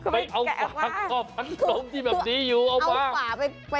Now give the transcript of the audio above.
ไปเอาฝากอบพัดลมที่แบบนี้อยู่เอามาฝาก